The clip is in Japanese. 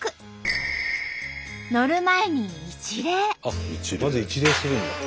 あっまず一礼するんだ。